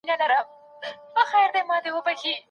د حنبلي مذهب هم يو قول دادی، چي د حالاتو قرينې اثر نلري.